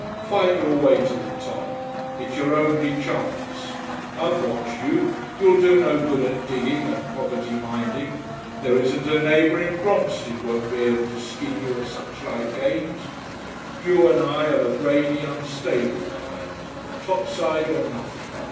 Fight your way to the top. It's your only chance. I've watched you. You'll do no good at digging and property minding. There isn't a neighbour in Bromstead won't be able to skin you at suchlike games. You and I are the brainy unstable kind, topside or nothing.